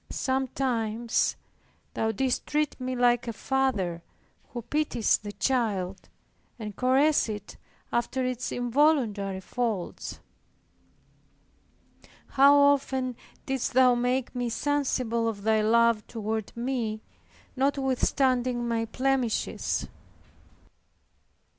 Sometimes Thou didst treat me like a father who pities the child, and caresses it after its involuntary faults. How often didst Thou make me sensible of Thy love toward me, notwithstanding my blemishes!